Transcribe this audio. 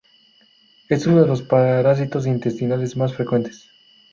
Es uno de los parásitos intestinales más frecuentes.